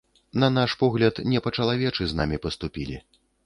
На наш погляд, не па-чалавечы з намі паступілі.